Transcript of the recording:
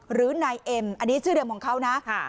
หรือนายเอ็มอันนี้ชื่อเดิมของเขานะ